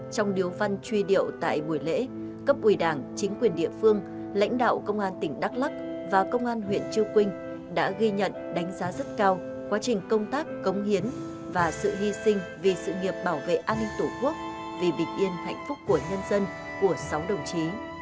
trong điếu văn truy điệu tại buổi lễ cấp ủy đảng chính quyền địa phương lãnh đạo công an tỉnh đắk lắc và công an huyện chư quynh đã ghi nhận đánh giá rất cao quá trình công tác cống hiến và sự hy sinh vì sự nghiệp bảo vệ an ninh tổ quốc vì bình yên hạnh phúc của nhân dân của sáu đồng chí